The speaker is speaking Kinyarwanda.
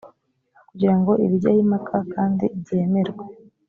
kugira ngo ibijyeho impaka kandi byemerwe